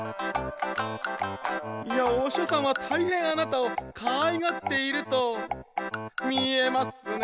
「御師匠さんは大変あなたを可愛がっていると見えますね」